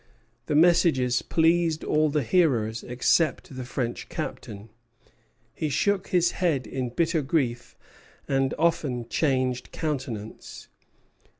"The messages pleased all the hearers except the French captain. He shook his head in bitter grief, and often changed countenance.